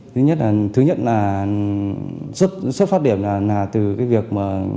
thứ nhất là thứ nhất là xuất xuất phát điểm là từ cái việc mà mở các quán y tế này